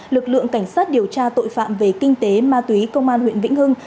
lực lượng cảnh sát điều tra tội phạm về kinh tế ma túy công an huyện vĩnh hưng